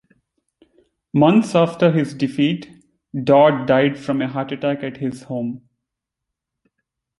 Months after his defeat, Dodd died from a heart attack at his home.